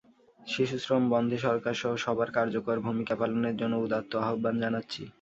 শিশুশ্রম বন্ধে সরকারসহ সবার কার্যকর ভূমিকা পালনের জন্য উদাত্ত আহ্বান জানাচ্ছি।